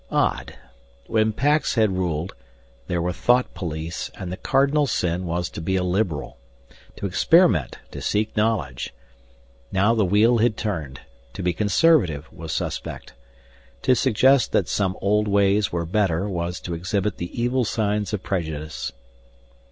Odd when Pax had ruled, there were thought police and the cardinal sin was to be a liberal, to experiment, to seek knowledge. Now the wheel had turned to be conservative was suspect. To suggest that some old ways were better was to exhibit the evil signs of prejudice.